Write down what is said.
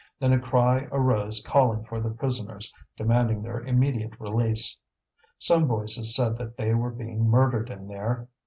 Then a cry arose calling for the prisoners, demanding their immediate release. Some voices said that they were being murdered in there.